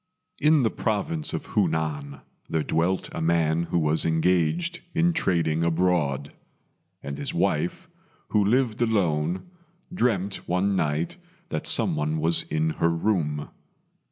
In the province of Hunan there dwelt a man who was engaged in trading abroad; and his wife, who lived alone, dreamt one night that some one was in her room.